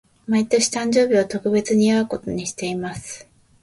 毎年、誕生日を特別に祝うことにしています。